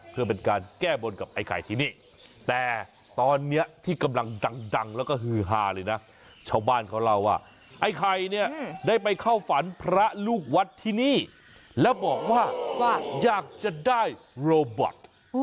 เพื่อเป็นการแก้บนกับไอ้ไข่ที่นี่แต่ตอนนี้ที่กำลังดังแล้วก็ฮือฮาเลยนะชาวบ้านเขาเล่าว่าไอ้ไข่เนี่ยได้ไปเข้าฝันพระลูกวัดที่นี่แล้วบอกว่าอยากจะได้โรบอต